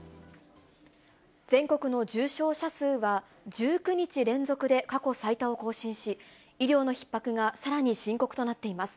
全国の重症者数は、１９日連続で過去最多を更新し、医療のひっ迫がさらに深刻となっています。